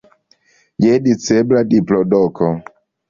Je ducerba diplodoko!